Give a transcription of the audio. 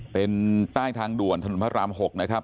เป็นใต้ทางด่วนถนนพระราม๖นะครับ